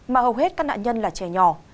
mà hầu hết các nạn nhân là trẻ nhỏ